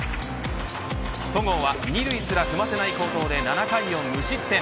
戸郷は２塁すら踏ませない好投で７回を無失点。